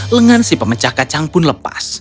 lengan si pemecah kacang pun lepas